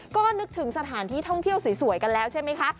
ก็นึกถึงสถานที่ท่องเที่ยวสวยกันแล้วใช่ไหมคะ